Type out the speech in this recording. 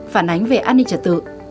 phản ánh về an ninh trật tự